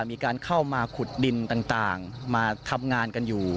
มีการเข้ามาขุดดินต่างมาทำงานกันอยู่